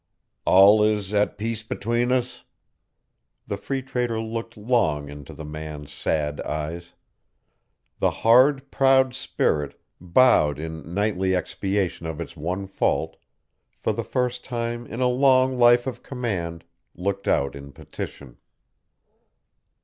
"All is at peace between us?" The Free Trader looked long into the man's sad eyes. The hard, proud spirit, bowed in knightly expiation of its one fault, for the first time in a long life of command looked out in petition.